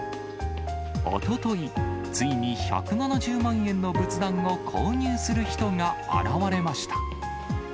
おととい、ついに１７０万円の仏壇を購入する人が現われました。